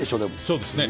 そうですね。